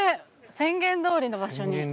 宣言通りの場所に。